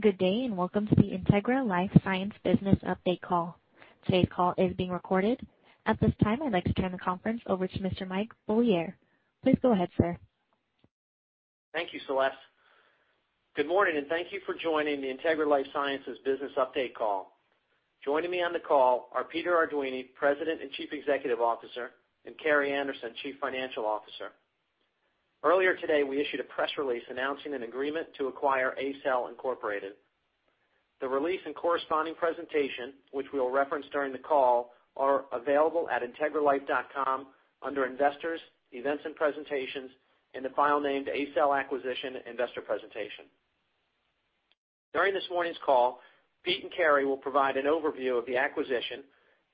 Good day and welcome to the Integra LifeSciences Business Update Call. Today's call is being recorded. At this time, I'd like to turn the conference over to Mr. Mike Beaulieu. Please go ahead, sir. Thank you, Celeste. Good morning and thank you for joining the Integra LifeSciences Business Update Call. Joining me on the call are Peter Arduini, President and Chief Executive Officer, and Carrie Anderson, Chief Financial Officer. Earlier today, we issued a press release announcing an agreement to acquire ACell Incorporated. The release and corresponding presentation, which we'll reference during the call, are available at integralife.com under Investors, Events and Presentations, in the file named ACell Acquisition Investor Presentation. During this morning's call, Pete and Carrie will provide an overview of the acquisition,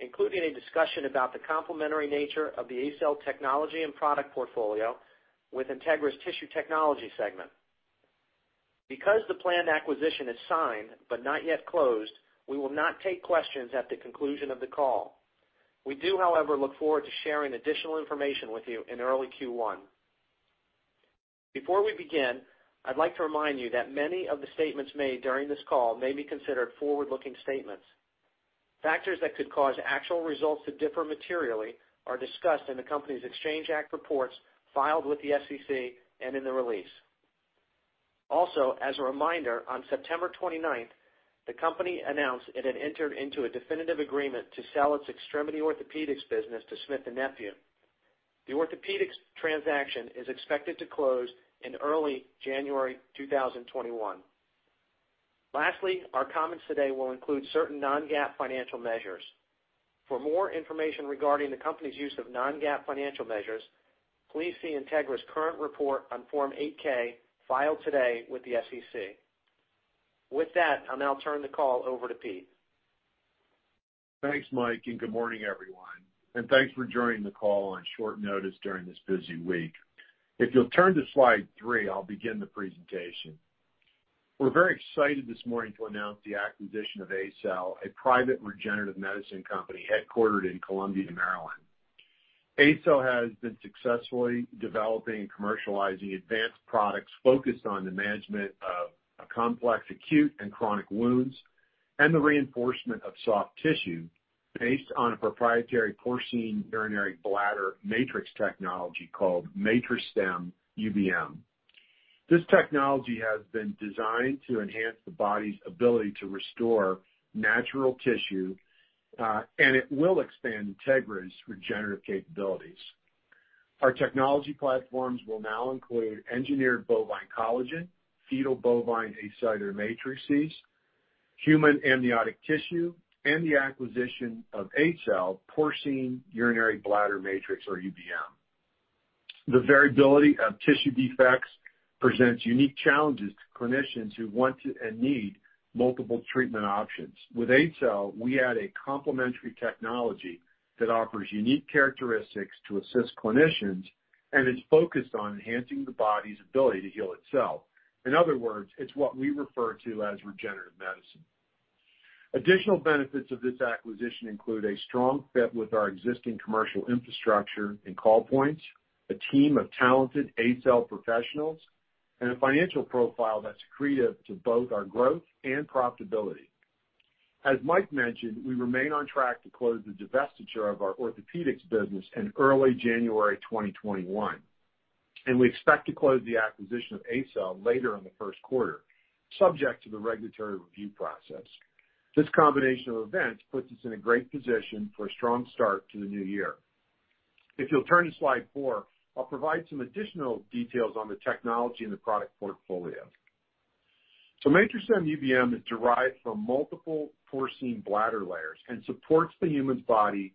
including a discussion about the complementary nature of the ACell technology and product portfolio with Integra's tissue technology segment. Because the planned acquisition is signed but not yet closed, we will not take questions at the conclusion of the call. We do, however, look forward to sharing additional information with you in early Q1. Before we begin, I'd like to remind you that many of the statements made during this call may be considered forward-looking statements. Factors that could cause actual results to differ materially are discussed in the company's Exchange Act reports filed with the SEC and in the release. Also, as a reminder, on September 29th, the company announced it had entered into a definitive agreement to sell its extremity orthopedics business to Smith & Nephew. The orthopedics transaction is expected to close in early January 2021. Lastly, our comments today will include certain non-GAAP financial measures. For more information regarding the company's use of non-GAAP financial measures, please see Integra's current report on Form 8-K filed today with the SEC. With that, I'll now turn the call over to Pete. Thanks, Mike, and good morning, everyone. And thanks for joining the call on short notice during this busy week. If you'll turn to slide three, I'll begin the presentation. We're very excited this morning to announce the acquisition of ACell, a private regenerative medicine company headquartered in Columbia, Maryland. ACell has been successfully developing and commercializing advanced products focused on the management of complex acute and chronic wounds and the reinforcement of soft tissue based on a proprietary porcine urinary bladder matrix technology called MatriStem UBM. This technology has been designed to enhance the body's ability to restore natural tissue, and it will expand Integra's regenerative capabilities. Our technology platforms will now include engineered bovine collagen, fetal bovine acellular matrices, human amniotic tissue, and the acquisition of ACell's porcine urinary bladder matrix, or UBM. The variability of tissue defects presents unique challenges to clinicians who want and need multiple treatment options. With ACell, we add a complementary technology that offers unique characteristics to assist clinicians and is focused on enhancing the body's ability to heal itself. In other words, it's what we refer to as regenerative medicine. Additional benefits of this acquisition include a strong fit with our existing commercial infrastructure in call points, a team of talented ACell professionals, and a financial profile that's accretive to both our growth and profitability. As Mike mentioned, we remain on track to close the divestiture of our orthopedics business in early January 2021, and we expect to close the acquisition of ACell later in the first quarter, subject to the regulatory review process. This combination of events puts us in a great position for a strong start to the new year. If you'll turn to slide four, I'll provide some additional details on the technology and the product portfolio. MatriStem UBM is derived from multiple porcine bladder layers and supports the human body's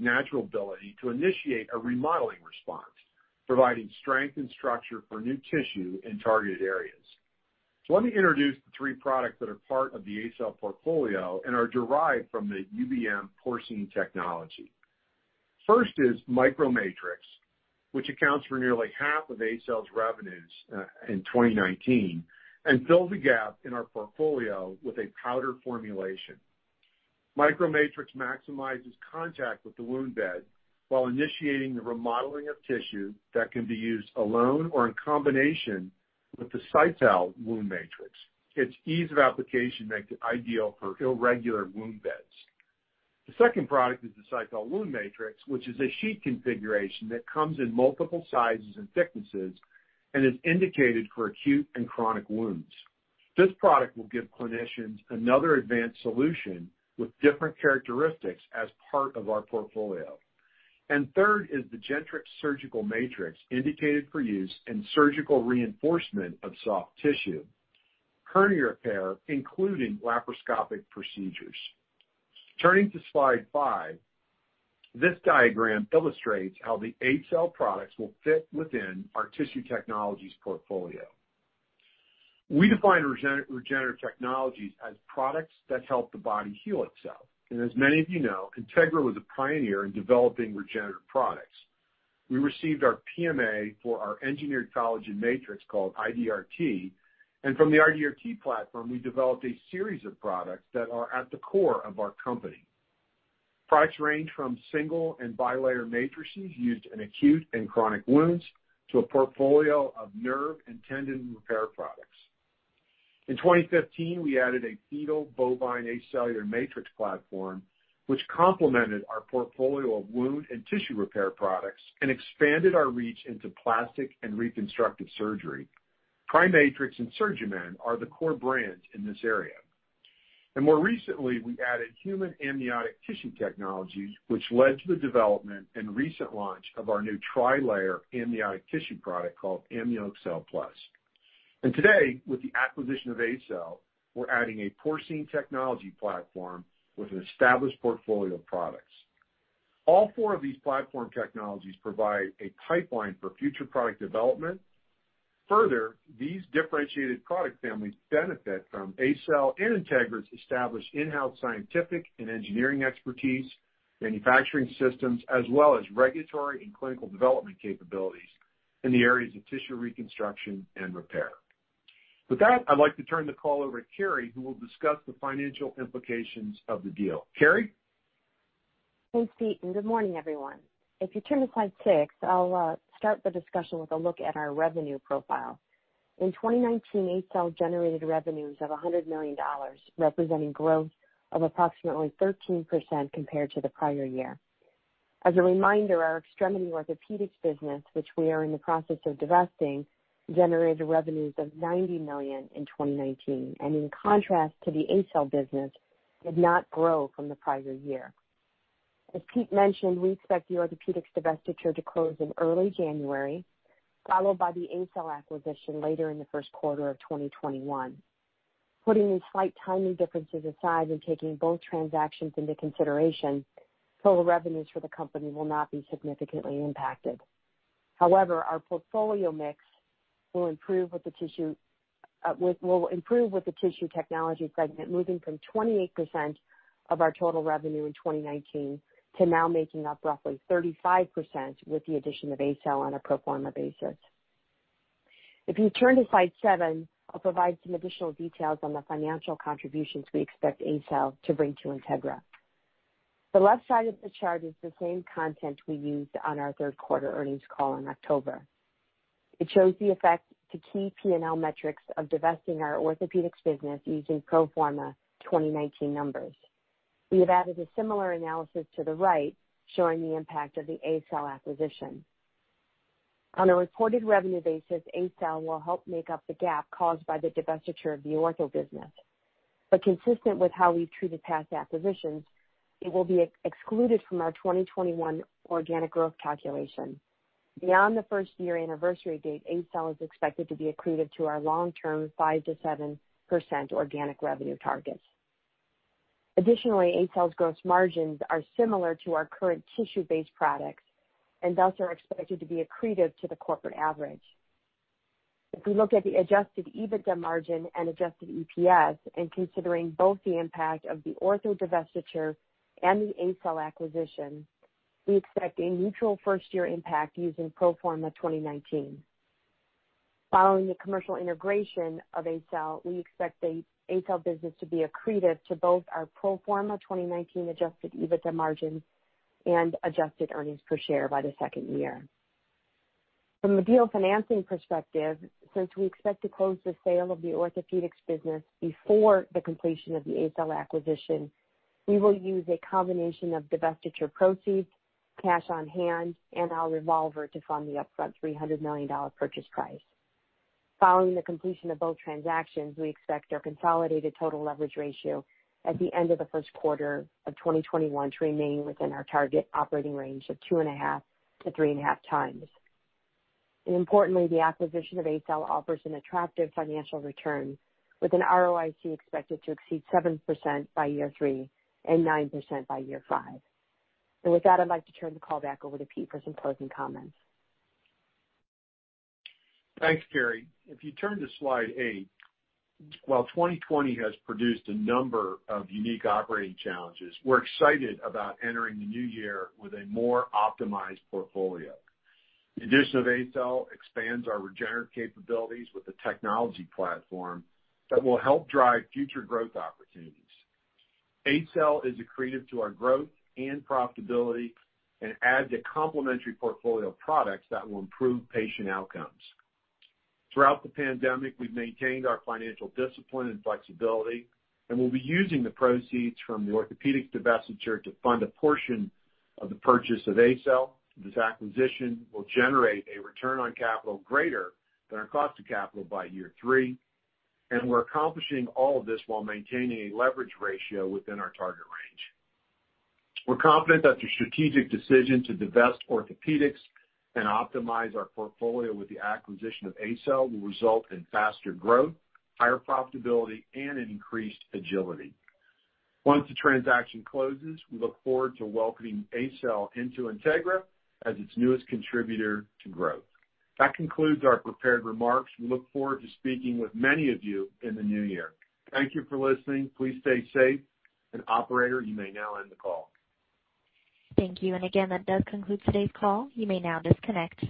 natural ability to initiate a remodeling response, providing strength and structure for new tissue in targeted areas. Let me introduce the three products that are part of the ACell portfolio and are derived from the UBM porcine technology. First is MicroMatrix, which accounts for nearly half of ACell's revenues in 2019 and fills the gap in our portfolio with a powder formulation. MicroMatrix maximizes contact with the wound bed while initiating the remodeling of tissue that can be used alone or in combination with the Cytal Wound Matrix. Its ease of application makes it ideal for irregular wound beds. The second product is the Cytal Wound Matrix, which is a sheet configuration that comes in multiple sizes and thicknesses and is indicated for acute and chronic wounds. This product will give clinicians another advanced solution with different characteristics as part of our portfolio, and third is the Gentrix Surgical Matrix, indicated for use in surgical reinforcement of soft tissue, hernia repair, including laparoscopic procedures. Turning to slide five, this diagram illustrates how the ACell products will fit within our tissue technologies portfolio. We define regenerative technologies as products that help the body heal itself, and as many of you know, Integra was a pioneer in developing regenerative products. We received our PMA for our engineered collagen matrix called IDRT, and from the IDRT platform, we developed a series of products that are at the core of our company. Products range from single and bilayer matrices used in acute and chronic wounds to a portfolio of nerve and tendon repair products. In 2015, we added a fetal bovine acellular matrix platform, which complemented our portfolio of wound and tissue repair products and expanded our reach into plastic and reconstructive surgery. PriMatrix and SurgiMend are the core brands in this area. More recently, we added human amniotic tissue technologies, which led to the development and recent launch of our new tri-layer amniotic tissue product called AmnioExcel Plus. Today, with the acquisition of ACell, we're adding a porcine technology platform with an established portfolio of products. All four of these platform technologies provide a pipeline for future product development. Further, these differentiated product families benefit from ACell and Integra's established in-house scientific and engineering expertise, manufacturing systems, as well as regulatory and clinical development capabilities in the areas of tissue reconstruction and repair. With that, I'd like to turn the call over to Carrie, who will discuss the financial implications of the deal. Carrie? Thanks, Pete. And good morning, everyone. If you turn to slide six, I'll start the discussion with a look at our revenue profile. In 2019, ACell generated revenues of $100 million, representing growth of approximately 13% compared to the prior year. As a reminder, our extremity orthopedics business, which we are in the process of divesting, generated revenues of $90 million in 2019, and in contrast to the ACell business, did not grow from the prior year. As Pete mentioned, we expect the orthopedics divestiture to close in early January, followed by the ACell acquisition later in the first quarter of 2021. Putting these slight timing differences aside and taking both transactions into consideration, total revenues for the company will not be significantly impacted. However, our portfolio mix will improve with the tissue technology segment, moving from 28% of our total revenue in 2019 to now making up roughly 35% with the addition of ACell on a pro forma basis. If you turn to slide seven, I'll provide some additional details on the financial contributions we expect ACell to bring to Integra. The left side of the chart is the same content we used on our third quarter earnings call in October. It shows the effect to key P&L metrics of divesting our orthopedics business using pro forma 2019 numbers. We have added a similar analysis to the right, showing the impact of the ACell acquisition. On a reported revenue basis, ACell will help make up the gap caused by the divestiture of the ortho business. But consistent with how we've treated past acquisitions, it will be excluded from our 2021 organic growth calculation. Beyond the first year anniversary date, ACell is expected to be accretive to our long-term 5%-7% organic revenue targets. Additionally, ACell's gross margins are similar to our current tissue-based products and thus are expected to be accretive to the corporate average. If we look at the adjusted EBITDA margin and adjusted EPS, and considering both the impact of the ortho divestiture and the ACell acquisition, we expect a neutral first-year impact using pro forma 2019. Following the commercial integration of ACell, we expect the ACell business to be accretive to both our pro forma 2019 adjusted EBITDA margin and adjusted earnings per share by the second year. From a deal financing perspective, since we expect to close the sale of the orthopedics business before the completion of the ACell acquisition, we will use a combination of divestiture proceeds, cash on hand, and our revolver to fund the upfront $300 million purchase price. Following the completion of both transactions, we expect our consolidated total leverage ratio at the end of the first quarter of 2021 to remain within our target operating range of two and a half to three and a half times. And importantly, the acquisition of ACell offers an attractive financial return, with an ROIC expected to exceed 7% by year three and 9% by year five. And with that, I'd like to turn the call back over to Pete for some closing comments. Thanks, Carrie. If you turn to slide eight, while 2020 has produced a number of unique operating challenges, we're excited about entering the new year with a more optimized portfolio. The addition of ACell expands our regenerative capabilities with the technology platform that will help drive future growth opportunities. ACell is accretive to our growth and profitability and adds a complementary portfolio of products that will improve patient outcomes. Throughout the pandemic, we've maintained our financial discipline and flexibility, and we'll be using the proceeds from the orthopedics divestiture to fund a portion of the purchase of ACell. This acquisition will generate a return on capital greater than our cost of capital by year three, and we're accomplishing all of this while maintaining a leverage ratio within our target range. We're confident that the strategic decision to divest orthopedics and optimize our portfolio with the acquisition of ACell will result in faster growth, higher profitability, and an increased agility. Once the transaction closes, we look forward to welcoming ACell into Integra as its newest contributor to growth. That concludes our prepared remarks. We look forward to speaking with many of you in the new year. Thank you for listening. Please stay safe. And operator, you may now end the call. Thank you. And again, that does conclude today's call. You may now disconnect.